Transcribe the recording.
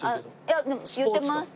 いや言ってます。